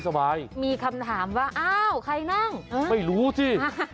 ทำไมทำให้เอ็นขนาดนี้